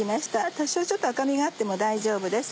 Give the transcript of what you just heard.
多少ちょっと赤みがあっても大丈夫です。